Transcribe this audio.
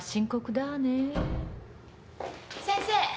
・先生。